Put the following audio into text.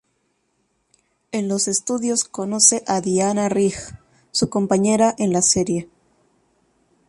En los estudios conoce a Diana Rigg, su compañera en la serie.